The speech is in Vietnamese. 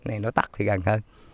này nó tắt thì gần hơn